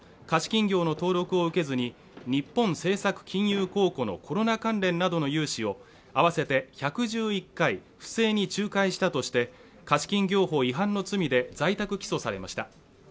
貸金業の登録を受けずに日本政策金融公庫のコロナ関連などの融資を合わせて１１１回不正に仲介したとして貸金業法違反の罪で在宅起訴されました。